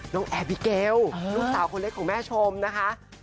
แอร์บิเกลลูกสาวคนเล็กของแม่ชมนะคะ